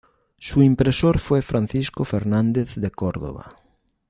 Su impresor fue Francisco Fernández de Córdoba.